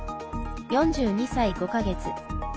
４２歳５か月。